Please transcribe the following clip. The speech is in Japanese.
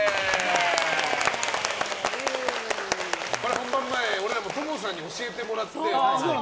本番前、俺らもＴＯＭＯさんに教えてもらって。